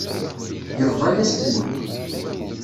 Yebḍa-yas-ten-id.